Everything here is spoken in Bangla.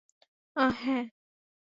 আহ, হ্যাঁ।